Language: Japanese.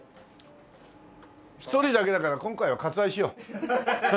１人だけだから今回は割愛しよう。